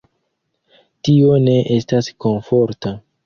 Tio ne estas komforta.